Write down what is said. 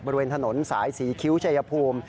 บริเวณถนนสายศรีคิ้วชายภูมิ